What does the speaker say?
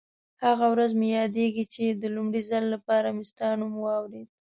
هغه ورځ مې یادېږي چې د لومړي ځل لپاره مې ستا نوم واورېد.